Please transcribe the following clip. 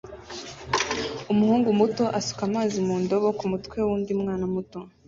Umuhungu muto asuka amazi mu ndobo kumutwe wundi mwana muto